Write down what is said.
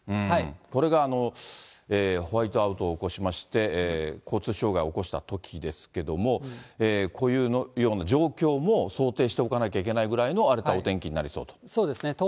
これがホワイトアウトを起こしまして、交通障害を起こしたときですけども、こういうような状況も想定しておかなきゃいけないぐらいの荒れたお天気になりそうそうですね。